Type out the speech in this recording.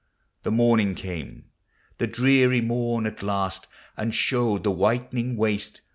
The morning came, the dreary morn, at last, And showed the whitened waste.